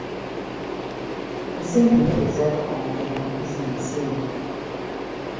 Ensimbi nnyingi ezaatokomokera mu bizinensi eyo.